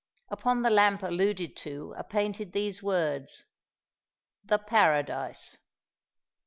Upon the lamp alluded to are painted these words——"THE PARADISE."